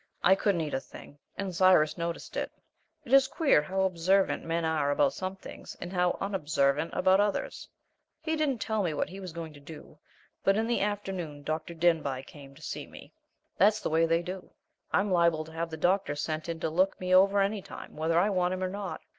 I couldn't eat a thing, and Cyrus noticed it it is queer how observant men are about some things and how unobservant about others. He didn't tell me what he was going to do, but in the afternoon Dr. Denbigh came to see me. That's the way they do I'm liable to have the doctor sent in to look me over any time, whether I want him or not.